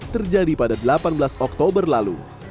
terjadi pada delapan belas oktober lalu